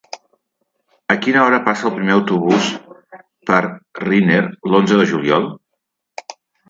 A quina hora passa el primer autobús per Riner l'onze de juliol?